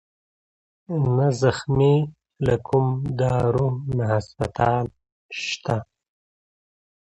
نه زخمى له کوم دارو نه هسپتال شت